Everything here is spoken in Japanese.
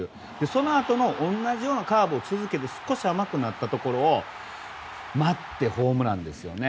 そのあとの同じようなカーブを続けて少し甘くなったところを待って、ホームランですよね。